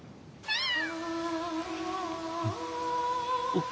おっ。